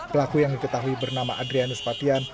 pelaku yang diketahui bernama adrianus patian